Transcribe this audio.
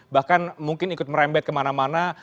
bahkan mungkin ikut merembet kemana mana